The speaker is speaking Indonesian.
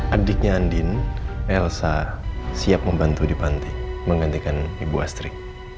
adiknya andin elsa siap membantu di panti menggantikan ibu astri